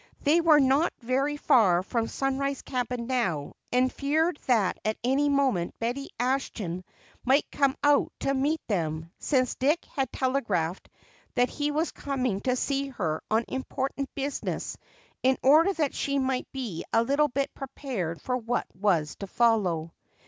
They were not very far from Sunrise cabin now and feared that at any moment Betty Ashton might come out to meet them, since Dick had telegraphed that he was coming to see her on important business in order that she might be a little bit prepared for what was to follow.